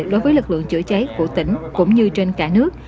đối với lực lượng chữa cháy của tỉnh cũng như trên cả nước